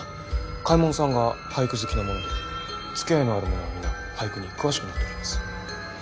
嘉右衛門さんが俳句好きなものでつきあいのある者は皆俳句に詳しくなっております。